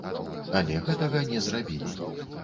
Але гэтага не зрабілі.